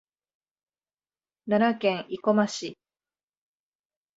奈良県生駒市